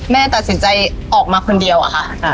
แม่ตัดสินใจออกมาคนเดียวอะค่ะ